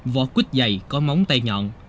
vỏ quýt dày có móng tay nhọn